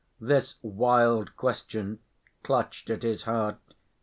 This wild question clutched at his heart.